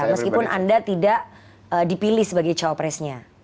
meskipun anda tidak dipilih sebagai cawapresnya